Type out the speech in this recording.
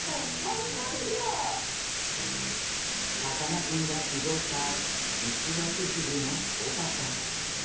さかなクンが寄贈したイシガキフグのオカちゃん。